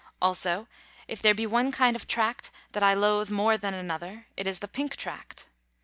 Also, if there be one kind of Tract that I loathe more than another, it is the Pink Tract.